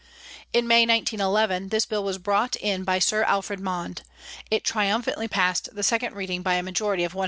In May, 1911, this Bill was brought in by Sir Alfred Mond; it triumphantly passed the second reading by a majority of 167.